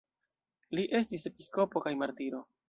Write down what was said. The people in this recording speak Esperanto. Li estis episkopo kaj martiro.